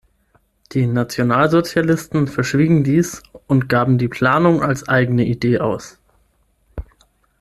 Die Nationalsozialisten verschwiegen dies und gaben die Planungen als eigene Ideen aus.